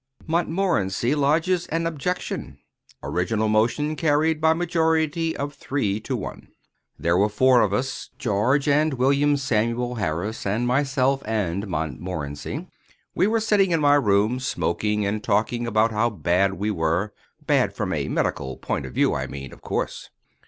—Montmorency lodges an objection.—Original motion carried by majority of three to one. There were four of us—George, and William Samuel Harris, and myself, and Montmorency. We were sitting in my room, smoking, and talking about how bad we were—bad from a medical point of view I mean, of course.